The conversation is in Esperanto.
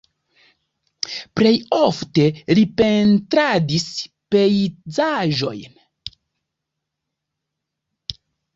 Plej ofte li pentradis pejzaĝojn.